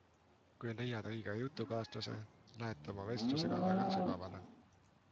Kui leiad õige jutukaaslase, lähete oma vestlusega väga sügavale.